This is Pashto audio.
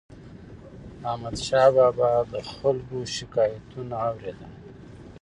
احمدشاه بابا به د خلکو شکایتونه اور يدل.